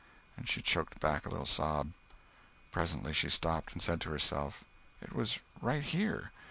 And she choked back a little sob. Presently she stopped, and said to herself: "It was right here.